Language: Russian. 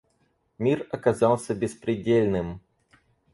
Мир оказался беспредельным.